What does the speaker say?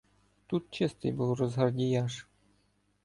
Тут чистий був розгардіяш: